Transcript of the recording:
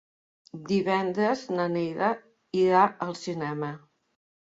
Divendres na Neida irà al cinema.